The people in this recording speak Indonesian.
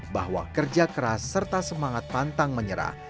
bahwa kerja keras serta semangat pantang menyerah